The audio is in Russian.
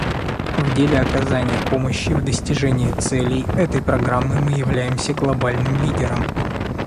В деле оказания помощи в достижении целей этой Программы мы являемся глобальным лидером.